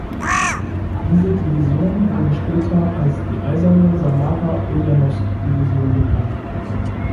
Diese Division wurde später als die „Eiserne Samara-Uljanowsk-Division“ bekannt.